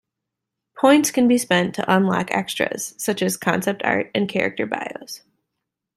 Points can be spent to unlock extras, such as concept art and character bios.